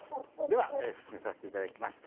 では進めさせて頂きます。